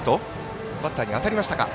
バッターに当たりました。